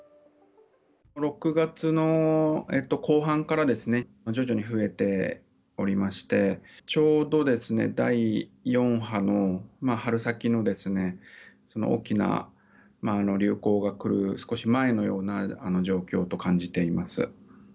６月の後半からですね、徐々に増えておりまして、ちょうど、第４波の春先の大きな流行が来る少し前のような状況と感じています。